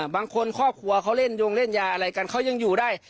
ครอบครัวเขาเล่นโยงเล่นยาอะไรกันเขายังอยู่ได้